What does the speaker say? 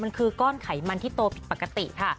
มันคือก้อนไขมันที่โตผิดปกติค่ะ